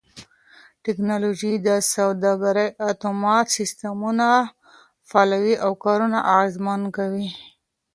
ټکنالوژي د سوداګرۍ اتومات سيستمونه فعالوي او کارونه اغېزمن کوي.